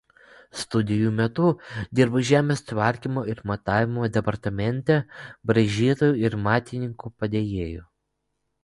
Studijų metu dirbo Žemės tvarkymo ir matavimo departamente braižytoju ir matininko padėjėju.